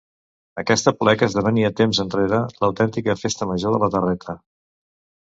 Aquest aplec esdevenia temps enrere l'autèntica Festa Major de la Terreta.